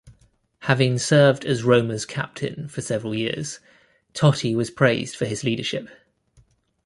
Having served as Roma's captain for several years, Totti was praised for his leadership.